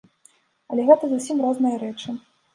Але гэта зусім розныя рэчы.